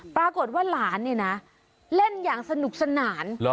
ปรากฏว่าหลานเนี่ยนะเล่นอย่างสนุกสนาน